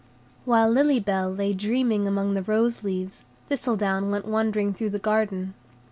While Lily Bell lay dreaming among the rose leaves, Thistledown went wandering through the garden.